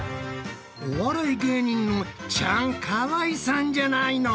お笑い芸人のチャンカワイさんじゃないの？